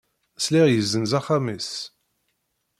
Sliɣ yezzenz axxam-is.